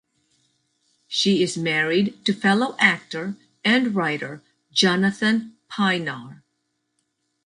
She is married to fellow actor and writer Jonathan Pienaar.